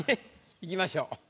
いきましょう。